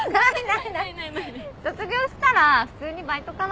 卒業したら普通にバイトかな